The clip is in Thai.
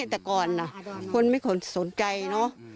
แต่ก่อนคนไม่ขนสนใจเนอะ